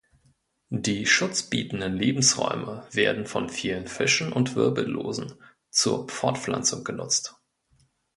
Die Schutz bietenden Lebensräume werden von vielen Fischen und Wirbellosen zur Fortpflanzung genutzt.